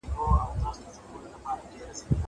لیک وکړه.